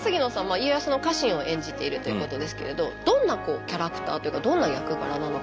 家康の家臣を演じているということですけれどどんなキャラクターというかどんな役柄なのか。